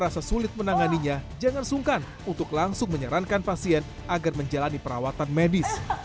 rasa sulit menanganinya jangan sungkan untuk langsung menyarankan pasien agar menjalani perawatan medis